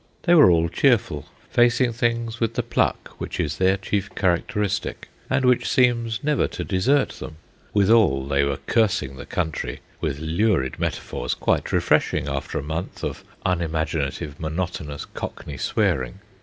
They were all cheerful, facing things with the pluck which is their chief characteristic and which seems never to desert them, withal they were cursing the country with lurid metaphors quite refreshing after a month of unimaginative, monotonous Cockney swearing.